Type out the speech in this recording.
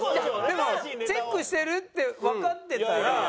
でもチェックしてるってわかってたら。